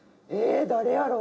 誰やろう？